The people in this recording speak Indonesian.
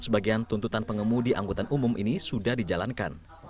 sebagian tuntutan pengemudi angkutan umum ini sudah dijalankan